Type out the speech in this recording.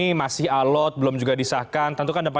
ini tersubur suburnya kalau kitashirenih